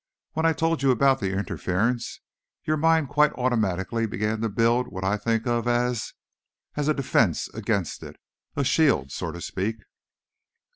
"When I told you about the interference, your mind quite automatically began to build what I think of as a—as a defense against it. A shield, so to speak."